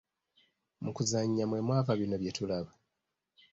Mu kuzannya mwe mwava bino byetulaba.